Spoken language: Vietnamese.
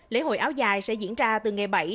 lễ hội áo dài sẽ diễn ra từ ngày bảy